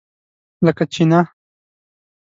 لکه چینۀ!